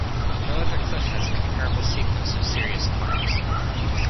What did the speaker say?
No other cliff has a comparable sequence of serious climbs.